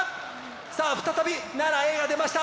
さあ再び奈良Ａが出ました。